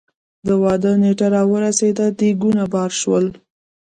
د واده نېټه را ورسېده ديګونه بار شول.